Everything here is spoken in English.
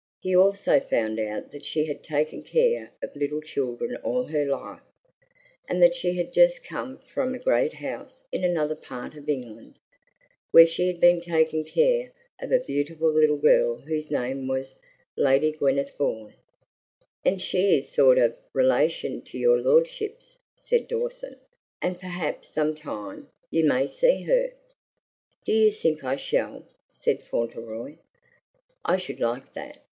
He also found out that she had taken care of little children all her life, and that she had just come from a great house in another part of England, where she had been taking care of a beautiful little girl whose name was Lady Gwyneth Vaughn. "And she is a sort of relation of your lordship's," said Dawson. "And perhaps sometime you may see her." "Do you think I shall?" said Fauntleroy. "I should like that.